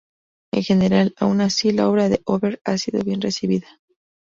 En general, aun así, la obra de Ober ha sido bien recibida.